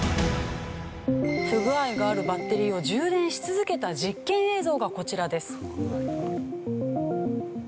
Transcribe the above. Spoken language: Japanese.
不具合があるバッテリーを充電し続けた実験映像がこちらです。